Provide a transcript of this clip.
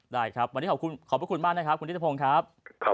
ได้ครับวันนี้ขอบพระคุณมากนะครับคุณฤทธิพงษ์ครับ